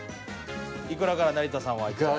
いくらから成田さんはいくと。